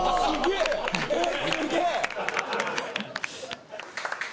「えっ！